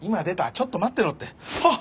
ちょっと待ってろってあっ！